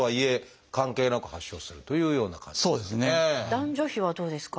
男女比はどうですか？